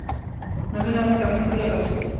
নহিলে আমি কেমন করিয়া বাঁচিব।